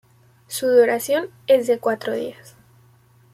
Su duración es de cuatro días.